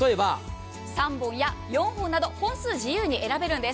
３本や４本など本数、自由に選べるんです。